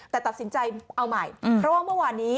แต่ตัดสินใจเอาใหม่เพราะว่าเมื่อวานนี้